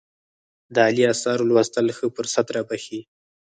د عالي آثارو لوستل ښه فرصت رابخښي.